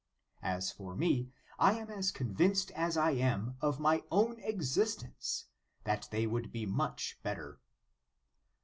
As for me, I am as convinced as I am of my own existence, that they would be much better.